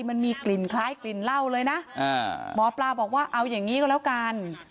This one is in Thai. มันมีกลิ่นคล้ายกลิ่นเหล้าเลยนะหมอปลาบอกว่าเอาอย่างนี้ก็แล้วกัน